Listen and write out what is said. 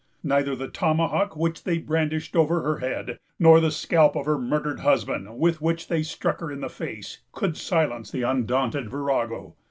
Neither the tomahawk, which they brandished over her head, nor the scalp of her murdered husband, with which they struck her in the face, could silence the undaunted virago.